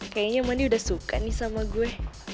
kayaknya mandi udah suka nih sama gue